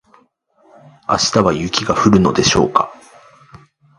明日は雪が降るのでしょうか